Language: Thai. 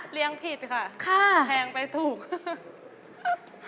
เลี้ยงผิดค่ะแพงไปถูกค่ะค่ะค่ะ